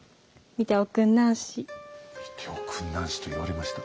「見ておくんなんし」と言われました。